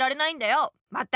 まったく！